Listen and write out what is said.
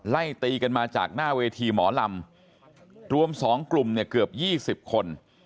ไล่ตีกันมาจากหน้าเวทีหมอลำรวม๒กลุ่มเนี่ยเกือบ๒๐คน